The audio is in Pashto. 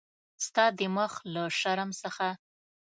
ستا د مخ له شرم څخه.